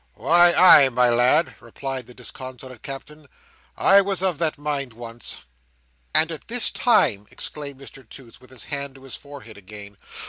"Why, ay, my lad," replied the disconsolate Captain; "I was of that mind once." "And at this time!" exclaimed Mr Toots, with his hand to his forehead again.